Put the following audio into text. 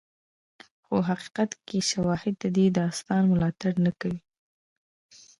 خو حقیقت کې شواهد د دې داستان ملاتړ نه کوي.